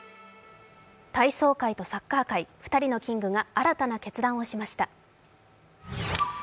体操界とサッカー界２人のキングが新たな決断をしました。